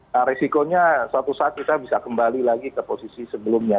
nah resikonya suatu saat kita bisa kembali lagi ke posisi sebelumnya